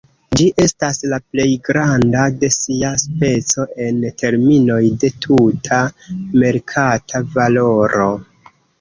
Ĝi estas la plej granda de sia speco en terminoj de tuta merkata valoro.